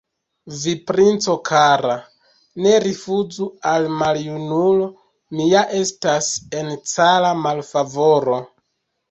Vi, princo kara, ne rifuzu al maljunulo, mi ja estas en cara malfavoro!